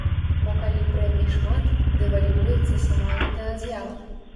Бо калі прэмій шмат, дэвальвуецца сама гэтая з'ява!